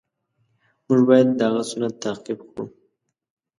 مونږ باید د هغه سنت تعقیب کړو.